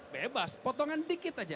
bebas potongan dikit aja